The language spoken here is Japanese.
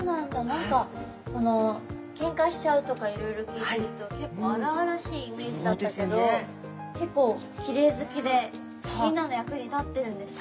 何かケンカしちゃうとかいろいろ聞いてると結構荒々しいイメージだったけど結構キレイ好きでみんなの役に立ってるんですね。